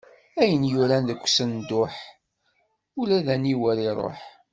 Ayen yuran deg usenduḥ, ula aniwer iṛuḥ.